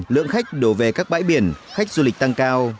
lượng khách đổ về các bãi biển khách du lịch tăng cao